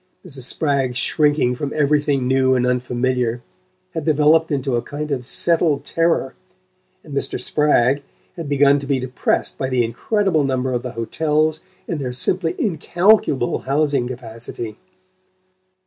Mrs. Spragg's shrinking from everything new and unfamiliar had developed into a kind of settled terror, and Mr. Spragg had begun to be depressed by the incredible number of the hotels and their simply incalculable housing capacity.